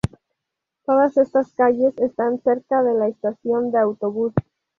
Todas estas calles están cerca de la estación de autobús.